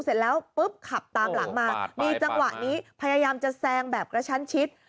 เสร็จแล้วปุ๊บขับตามหลังมามีจังหวะนี้พยายามจะแซงแบบกระชั้นชิด